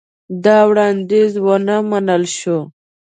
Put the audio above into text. دا وړاندیز ونه منل شو.